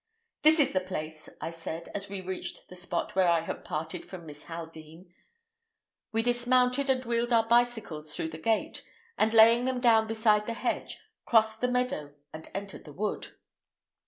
"This is the place," I said, as we reached the spot where I had parted from Miss Haldean. We dismounted and wheeled our bicycles through the gate, and laying them down beside the hedge, crossed the meadow and entered the wood.